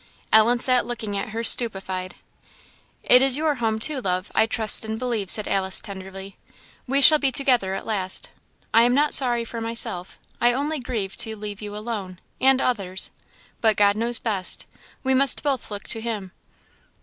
Ellen sat looking at her, stupefied. "It is your home, too, love, I trust, and believe," said Alice tenderly; "we shall be together at last. I am not sorry for myself; I only grieve to leave you alone and others but God knows best. We must both look to Him."